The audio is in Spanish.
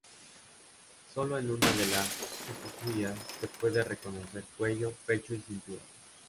Sólo en una de las estatuillas se puede reconocer cuello, pecho y cintura.